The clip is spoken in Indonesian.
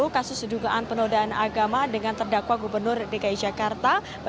kasus dugaan penodaan agama dengan terdakwa gubernur dki jakarta